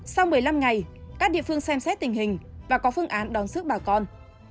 sau một mươi năm ngày các địa phương xem xét tình hình và có phương án đón sức bà con